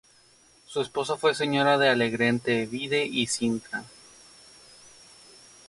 Su esposa fue señora de Alegrete, Vide y Sintra.